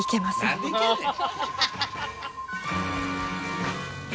何でいけんねん。